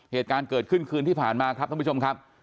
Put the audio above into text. เหตุการณ์เกิดขึ้นคืนที่ผ่านมาครับท่านผู้ชมครับ